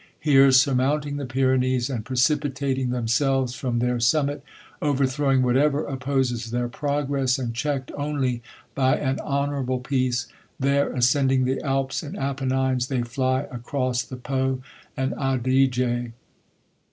Here, surmounting the Pyrenees, and precipitating themselves from their sum mit ; overthrowing whatever opposes their progress, and checked only by an honorable peace ; there as cending the Alps and Appenines, they fly across the Po and Adige. .